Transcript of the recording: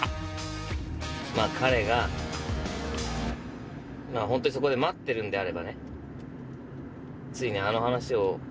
彼がホントにそこで待ってるんであればね。